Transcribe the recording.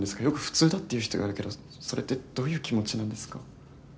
よく「普通だ」って言う人がいるけどそれってどういう気持ちなんですか？